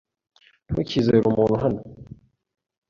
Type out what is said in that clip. Ntukizere umuntu hano.